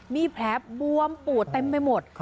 มีแผลบวมปูดเต็มไปหมด